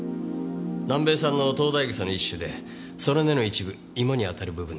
南米産のトウダイグサの一種でその根の一部イモに当たる部分です。